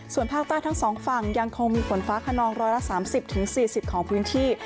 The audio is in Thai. ส่วนภาคใต้ทั้งสองฝั่งยังคงมีฝนฟ้าขนองร้อยละสามสิบถึงสี่สิบของพื้นที่